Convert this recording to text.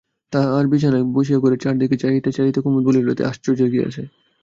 তাঁহার বিছানায় বসিয়া ঘরের চারদিকে চাহিতে চাহিতে কুমুদ বলিল, এতে আশ্চর্যের কী আছে?